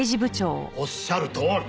おっしゃるとおり。